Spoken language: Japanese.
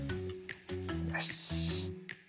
よし。